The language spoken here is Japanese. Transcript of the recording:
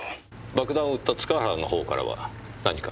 爆弾を売った塚原の方からは何か？